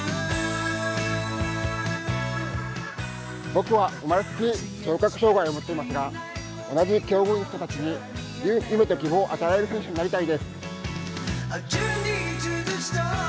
僕は生まれつき聴覚障害を持っていますが、同じ境遇の人たちに夢と希望を与えられる選手になりたいです。